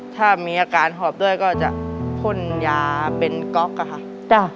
ถ้ามีอาการหอบด้วยก็จะพ่นยาเป็นก๊อกอะค่ะ